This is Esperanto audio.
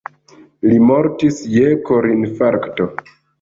Li mortis je korinfarkto.